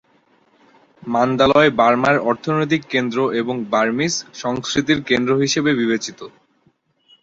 Mandalay বার্মার অর্থনৈতিক কেন্দ্র এবং বার্মিজ সংস্কৃতির কেন্দ্র হিসেবে বিবেচিত।